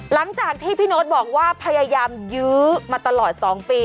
หลังจากที่พี่โน๊ตบอกว่าพยายามยื้อมาตลอด๒ปี